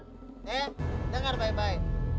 eh dengar baik baik